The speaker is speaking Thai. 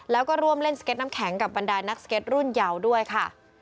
แล้วก็ร่วมเล่นสเก็ตน้ำแข็งกับบรรดานักสเก็ตรุ่นเยาว์ด้วยค่ะ